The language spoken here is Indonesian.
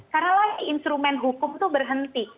karena instrumen hukum itu berhenti